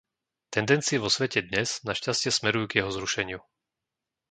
Tendencie vo svete dnes, našťastie, smerujú k jeho zrušeniu.